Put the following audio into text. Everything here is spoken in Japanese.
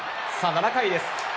７回です。